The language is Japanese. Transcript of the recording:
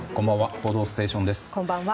「報道ステーション」です。